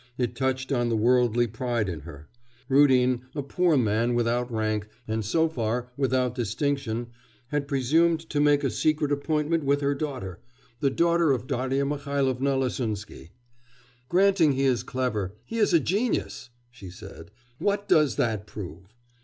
It touched on the worldly pride in her. Rudin, a poor man without rank, and so far without distinction, had presumed to make a secret appointment with her daughter the daughter of Darya Mihailovna Lasunsky. 'Granting he is clever, he is a genius!' she said, 'what does that prove?